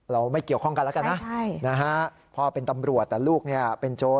เราไม่เกี่ยวข้องกันแล้วกันนะครับนะฮะพ่อเป็นตำรวจแต่ลูกเป็นโจร